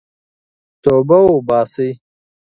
توبه وباسئ.